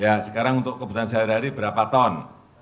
ya sekarang untuk kebutuhan sehari hari berapa ton